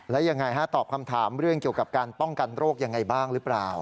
แล้วยังไงฮะตอบคำถามเรื่องเกี่ยวกับการป้องกันโรคยังไงบ้างหรือเปล่า